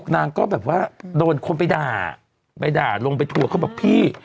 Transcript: นางก็บอกว่าโดนคนไปด่าลงไปถั่วเขาพี่